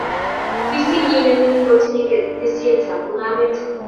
Ofisinyii ne mining kotinyei ketesietab mungaret